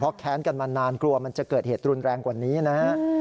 แค้นกันมานานกลัวมันจะเกิดเหตุรุนแรงกว่านี้นะฮะ